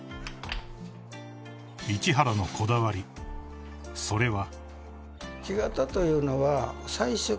［市原のこだわりそれは］